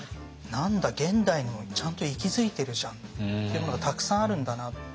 「何だ現代にもちゃんと息づいてるじゃん」ってものがたくさんあるんだなと。